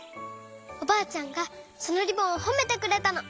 おばあちゃんがそのリボンをほめてくれたの。